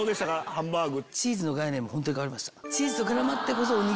ハンバーグ。